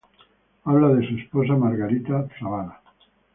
Habla de su esposa, Margarita Zavala.